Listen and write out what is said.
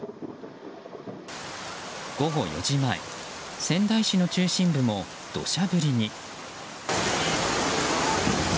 午後４時前仙台市の中心部もどしゃ降りに。